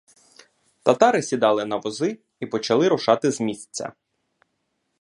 Татари сідали на вози і почали рушати з місця.